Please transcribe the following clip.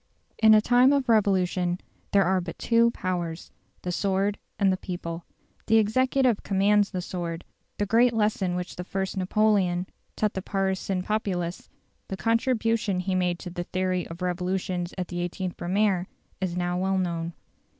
In a time of revolution there are but two powers, the sword and the people. The executive commands the sword; the great lesson which the First Napoleon taught the Parisian populace the contribution he made to the theory of revolutions at the 18th Brumaire is now well known.